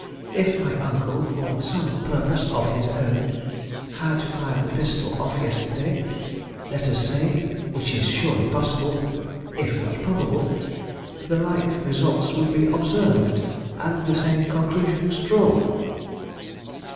If my uncle, for some purpose of his own, had fired the pistol off yesterday, let us say which is surely possible, if not probable the like results would be observed, and the same conclusions drawn."